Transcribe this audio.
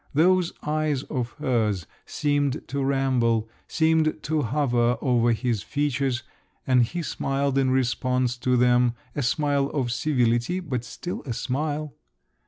Those eyes of hers seemed to ramble, seemed to hover over his features, and he smiled in response to them—a smile of civility, but still a smile.